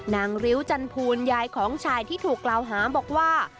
ริ้วจันภูลยายของชายที่ถูกกล่าวหาบอกว่า